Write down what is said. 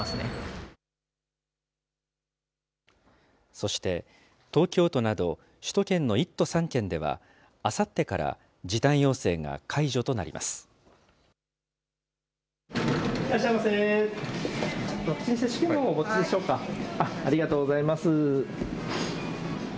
そして、東京都など、首都圏の１都３県では、あさってから時短要請が解除となります。